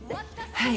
はい。